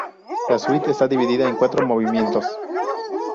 La suite está dividida en cuatro movimientos.